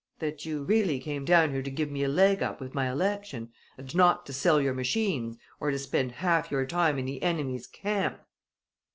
that you really came down here to give me a leg up with my election, and not to sell your machines or to spend half your time in the enemy's camp!"